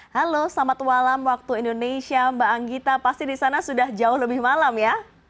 halo selamat malam waktu indonesia mbak anggita pasti di sana sudah jauh lebih malam ya